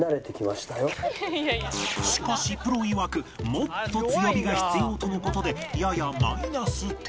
しかしプロいわくもっと強火が必要との事でややマイナス点